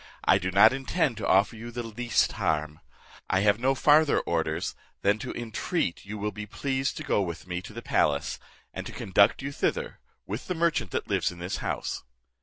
I do not intend to offer you the least harm. I have no farther orders, than to intreat you will be pleased to go with me to the palace, and to conduct you thither, with the merchant that lives in this house."